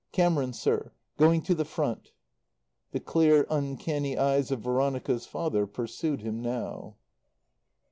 "Camerons, sir. Going to the Front." The clear, uncanny eyes of Veronica's father pursued him now.